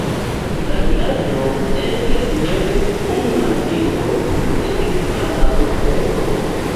La vilaĝo ege suferis dum la Milito de hispana sukcedo.